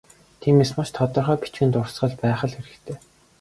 Тиймээс, маш тодорхой бичгийн дурсгал байх л хэрэгтэй.